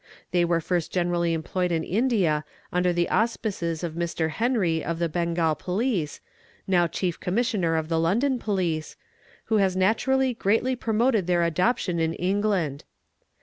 They were first generally employed in India under the auspices of Mr. Henry of the Bengal Police, now Chief Commissioner of the London Police, who has naturally greatly promoted their adoption in England.